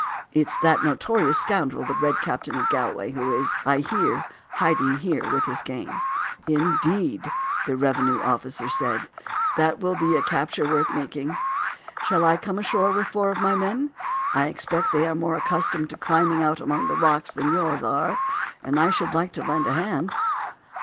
It's that notorious scoundrel the Red Captain of Galway who is, I hear, hiding here with his gang." "Indeed!" the revenue officer said; "that will be a capture worth making. Shall I come ashore with four of my men? I expect they are more accustomed to climbing about among the rocks than yours are, and I should like to lend a hand."